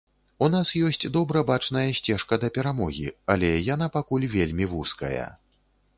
У нас ёсць добра бачная сцежка да перамогі, але яна пакуль вельмі вузкая.